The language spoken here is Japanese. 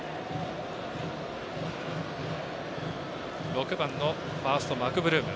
６番のファースト、マクブルーム。